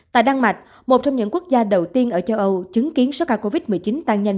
tại đan mạch một trong những quốc gia đầu tiên ở châu âu chứng kiến số ca covid một mươi chín tăng nhanh